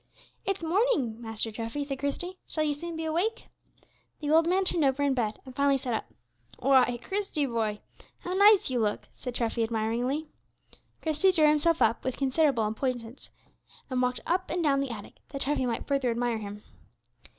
"It's morning, Master Treffy," said Christie; "shall you soon be awake?" The old man turned over in bed, and finally sat up. "Why, Christie, boy, how nice you look!" said Treffy, admiringly. Christie drew himself up with considerable importance, and walked up and down the attic, that Treffy might further admire him.